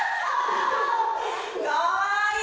かわいい！